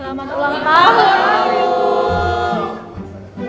selamat ulang tahun bu